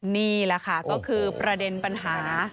นี่แหละค่ะก็คือประเด็นปัญหา